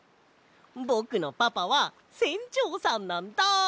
ぼくのパパはせんちょうさんなんだ！